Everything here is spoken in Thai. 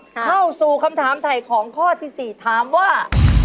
เข้าสู่คำถามถ่ายของข้อที่๔ถามว่า